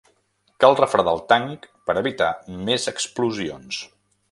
Cal refredar el tanc per evitar més explosions.